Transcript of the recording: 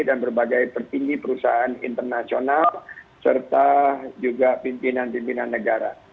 dan berbagai petinggi perusahaan internasional serta juga pimpinan pimpinan negara